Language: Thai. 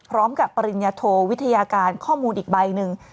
ปริญญาโทวิทยาการข้อมูลอีกใบหนึ่ง